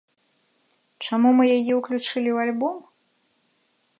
Чаму мы яе ўключылі ў альбом?